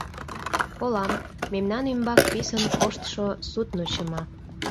Колам, мемнан ӱмбак писын коштшо судно чыма.